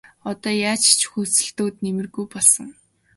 Одоо яаж ч хөөцөлдөөд нэмэргүй болсон.